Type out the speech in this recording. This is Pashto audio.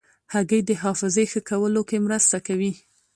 هګۍ د حافظې ښه کولو کې مرسته کوي.